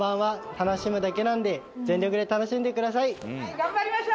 ・頑張りましょう！